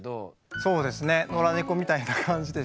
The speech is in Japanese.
そうですね野良猫みたいな感じでしたね。